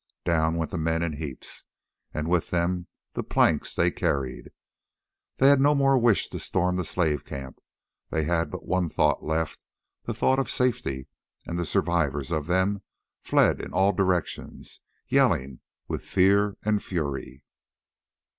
Down went the men in heaps, and with them the planks they carried. They had no more wish to storm the slave camp; they had but one thought left, the thought of safety, and the survivors of them fled in all directions, yelling with fear and fury.